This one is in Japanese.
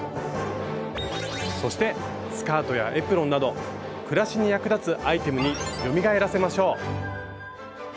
そしてスカートやエプロンなど暮らしに役立つアイテムによみがえらせましょう。